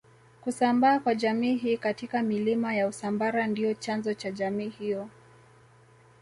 kusambaa kwa jamii hii katika milima ya usambara ndio chanzo cha jamii hiyo